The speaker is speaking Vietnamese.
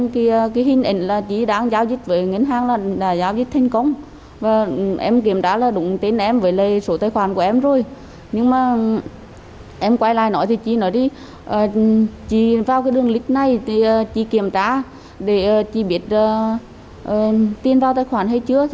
khi chị thúy thấy tiền chưa được chuyển vào tài khoản